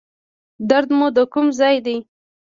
درد مو د کوم ځای دی؟